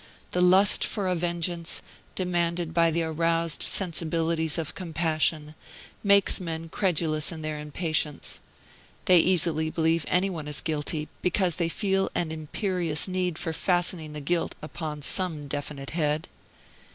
The lust for a vengeance, demanded by the aroused sensibilities of compassion, makes men credulous in their impatience; they easily believe anyone is guilty, because they feel an imperious need for fastening the guilt upon some definite head.